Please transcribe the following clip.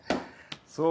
そう